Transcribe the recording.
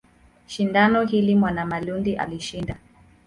Shindano hili Mwanamalundi alishinda.